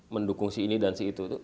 mendukung si ini dan si itu